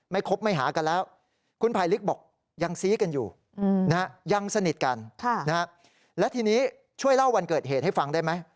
คบไม่หากันแล้วคุณภัยลิกบอกยังซี้กันอยู่ยังสนิทกันและทีนี้ช่วยเล่าวันเกิดเหตุให้ฟังได้ไหม